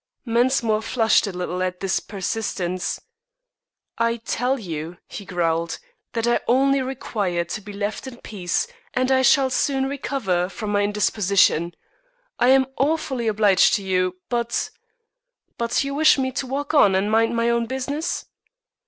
Mensmore flushed a little at this persistence. "I tell you," he growled, "that I only require to be left in peace, and I shall soon recover from my indisposition. I am awfully obliged to you, but " "But you wish me to walk on and mind my own business?"